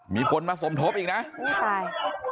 มีคนมาสมทบอีกนะไม่ได้